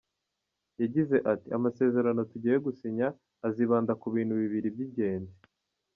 Yagize ati “Amasezerano tugiye gusinya azibanda ku bintu bibiri by’ingenzi.